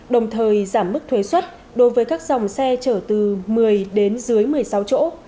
đồng thời giảm mức thuế xuất đối với các dòng xe chở từ một mươi đến dưới một mươi sáu chỗ